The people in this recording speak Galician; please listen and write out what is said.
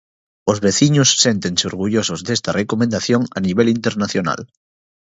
Os veciños séntense orgullosos desta recomendación a nivel internacional.